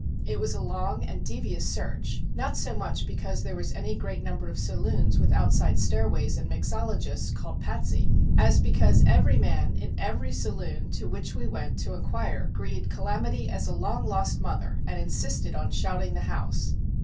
It was a long and devious search, not so much because there was any great number of saloons with outside stairways and mixologists called Patsy, as because every man in every saloon to which we went to inquire greeted "Calamity" as a long lost mother and insisted on shouting the house.